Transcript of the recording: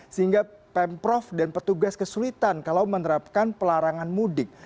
sehingga pemprov dan petugas kesulitan kalau menerapkan pelarangan mudik